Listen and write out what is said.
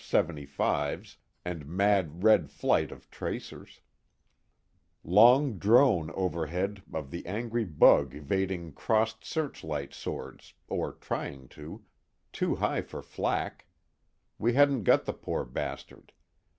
75's and mad red flight of tracers; long drone overhead of the angry bug evading crossed searchlight swords, or trying to too high for flak; we hadn't got the poor bastard.